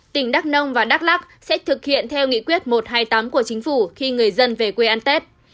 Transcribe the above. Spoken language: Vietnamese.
tỉnh đắk nông và đắk lắc sẽ thực hiện theo nghị quyết một trăm hai mươi tám của chính phủ khi người dân về quê ăn tết